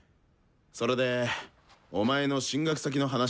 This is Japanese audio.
それでお前の進学先の話なんだけどさ。